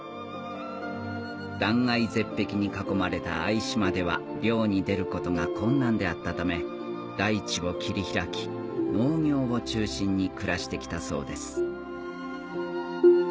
断崖絶壁に囲まれた相島では漁に出ることが困難であったため大地を切り開き農業を中心に暮らしてきたそうです